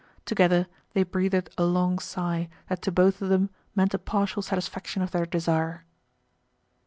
Together they breathed a long sigh that to both of them meant a partial satisfaction of their desire.